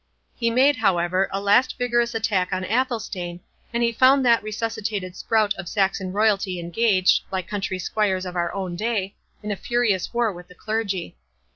He made, however, a last vigorous attack on Athelstane, and he found that resuscitated sprout of Saxon royalty engaged, like country squires of our own day, in a furious war with the clergy.